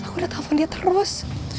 aku udah telepon dia terus